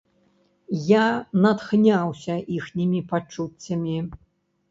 Я натхняўся іхнімі пачуццямі.